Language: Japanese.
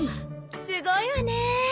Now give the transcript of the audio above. すごいわね。